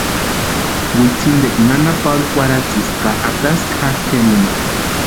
Witsintikwa nana Paula kwarhatsesti ka atasti jakʼi jempani.